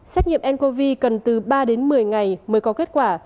xét nghiệm ncov cần từ ba đến một mươi ngày mới có kết quả